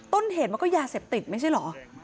ต้นเหตุมันก็ยาเสพติดไม่ใช่เหรอ